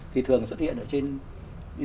thì thường xuất hiện ở trên mạng